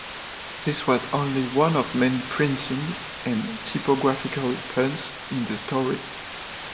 This was only one of many printing and typographical puns in the story.